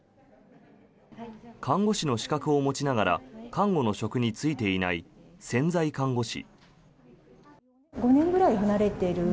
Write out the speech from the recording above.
看護師の資格を持ちながら看護の職に就いていない潜在看護師。